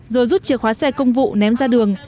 rồi rút chìa khóa xe công vụ ném ra đường